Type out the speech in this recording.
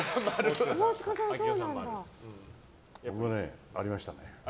僕、ありましたね。